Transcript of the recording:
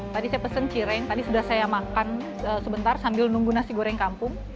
tadi saya pesen cireng tadi sudah saya makan sebentar sambil nunggu nasi goreng kampung